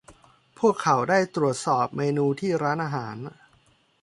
พวกเขาได้ตรวจสอบเมนูที่ร้านอาหาร